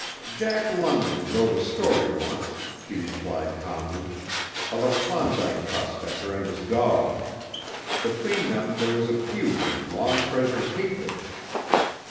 "Jack London wrote a story once," he replied calmly, "of a Klondike prospector and his dog. Between them there was a feud of long treasured hatred."